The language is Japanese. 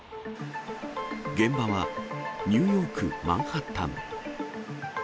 現場はニューヨーク・マンハッタン。